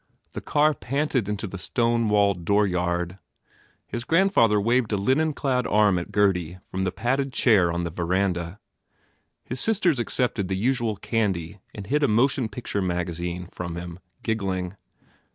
The car panted into the stone walled dooryard. His grandfather waved a linen clad arm at Gurdy from the padded chair on the veranda. His sisters accepted the usual candy and hid a motion picture magazine from him, giggling.